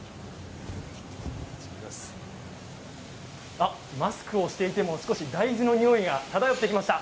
あっ、マスクをしていても少し大豆の匂いが漂ってきました。